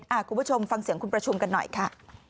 คุณผู้ชมฟังเสียงคุณประชุมกันหน่อยค่ะ